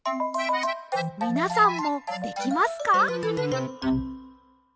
みなさんもできますか？